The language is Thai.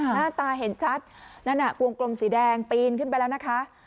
หน้าตาเห็นชัดนั่นน่ะวงกลมสีแดงปีนขึ้นไปแล้วนะคะ